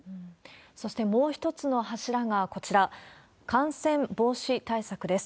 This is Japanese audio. そしてもう一つの柱がこちら、感染防止対策です。